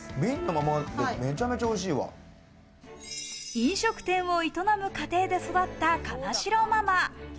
飲食店を営む家庭で育った金城ママ。